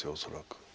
恐らく。